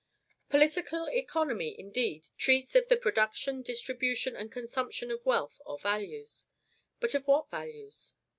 Political economy, indeed, treats of the production, distribution, and consumption of wealth or values. But of what values?